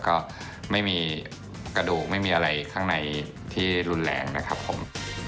ก็ไม่มีกระดูกไม่มีอะไรข้างในที่รุนแรงนะครับผม